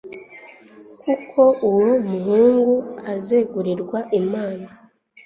kuko uwo muhungu azegurirwa imana